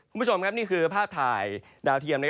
คุณผู้ชมครับนี่คือภาพถ่ายดาวเทียม